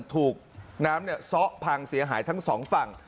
ถูกน้ำซ้อพังเสียหายทั้งสองฝั่ง